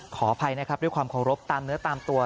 ขออภัยนะครับด้วยความเคารพตามเนื้อตามตัว